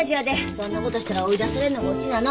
そんなことしたら追い出されるのがオチなの。